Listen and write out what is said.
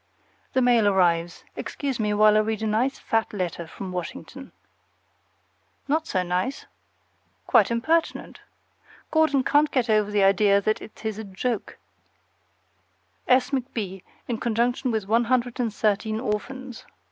The mail arrives. Excuse me while I read a nice fat letter from Washington. Not so nice; quite impertinent. Gordon can't get over the idea that it is a joke, S. McB. in conjunction with one hundred and thirteen orphans.